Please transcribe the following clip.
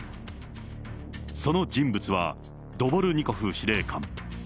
その人物はドボルニコフ司令官。